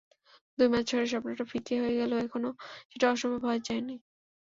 দুই ম্যাচ হেরে স্বপ্নটা ফিকে হয়ে গেলেও এখনো সেটা অসম্ভব হয়ে যায়নি।